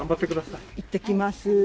いってきます。